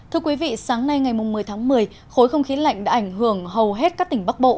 thưa quý vị sáng nay ngày một mươi tháng một mươi khối không khí lạnh đã ảnh hưởng hầu hết các tỉnh bắc bộ